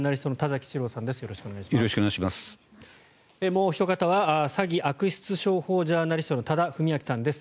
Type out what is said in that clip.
もうおひと方は詐欺・悪質商法ジャーナリストの多田文明さんです。